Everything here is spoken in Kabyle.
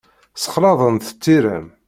Ssexlaɛent tira-m.